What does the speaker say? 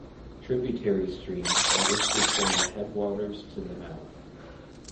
Tributary streams are listed from the headwaters to the mouth.